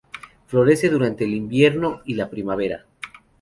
Florece durante el invierno y la primavera.